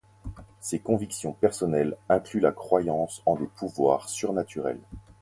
Ses convictions personnelles incluent la croyance en des pouvoirs surnaturels.